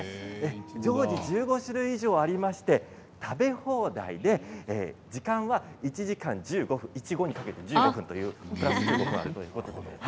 常時１５種類以上ありまして食べ放題で、時間は１時間１５分いちごにかけて１５分ということです。